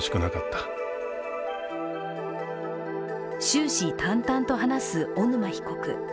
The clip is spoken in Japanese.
終始、淡々と話す小沼被告。